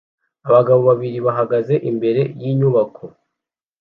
Abagabo babiri bahagaze imbere yinyubako